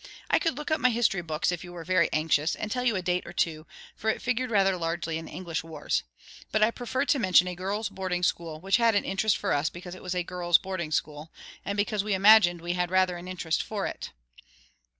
I could look up my history books, if you were very anxious, and tell you a date or two; for it figured rather largely in the English wars. But I prefer to mention a girls' boarding school, which had an interest for us because it was a girls' boarding school, and because we imagined we had rather an interest for it.